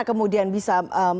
kita kemudian bisa